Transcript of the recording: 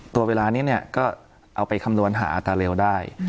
ตัวเวลานี้ก็เอาไปคำนวณหาอาจารย์เร็วได้